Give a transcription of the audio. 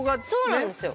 そうなんですよ。